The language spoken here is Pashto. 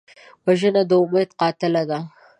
وژنه د امید قاتله ده